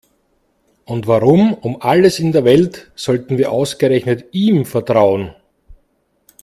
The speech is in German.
Und warum um alles in der Welt sollten wir ausgerechnet ihm vertrauen?